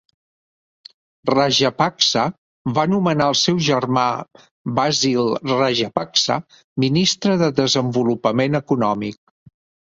Rajapaksa va nomenar el seu germà Basil Rajapaksa ministre de Desenvolupament Econòmic.